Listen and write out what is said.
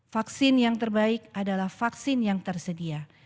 vaksin yang terbaik adalah vaksin yang tersedia